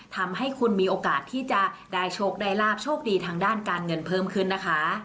ทำให้คุณมีโอกาสที่จะได้โชคได้ลาบโชคดีทางด้านการเงินเพิ่มขึ้นนะคะ